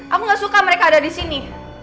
aku gak suka mereka ada di sini